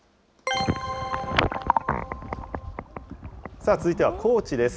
さあ、続いては高知です。